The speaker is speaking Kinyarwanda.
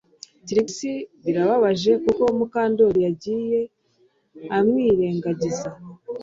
Trix birababaje kuko Mukandoli yagiye amwirengagiza